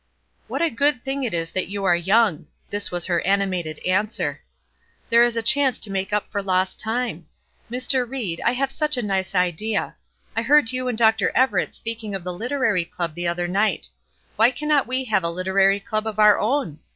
"What a good thing it is that you are young." This was her animated answer. "There is a chance to make up for lost time. Mr. Ried, I have such a nice idea. I heard you and Dr. Everett speaking of the Literary Club the other night. Why cannot we have a literary club of our own?